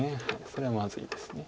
それはまずいです。